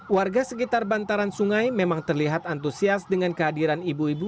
warga sekitar bantaran sungai memang terlihat antusias dengan kehadiran ibu ibu